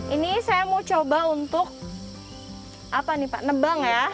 ini saya mau coba untuk apa nih pak nebang ya